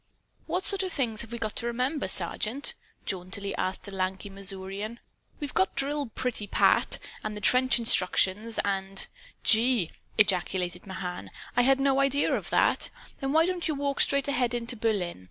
"What sort of things have we got to remember, Sergeant?" jauntily asked a lanky Missourian. "We've got the drill pretty pat; and the trench instructions and " "Gee!" ejaculated Mahan. "I had no idea of that! Then why don't you walk straight ahead into Berlin?